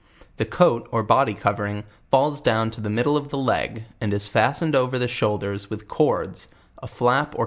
The coat or body covering falls down to LEWIS AND CLARKE \&d the middle of the leg, and is fastened over the shoulders with cords, a flap or c.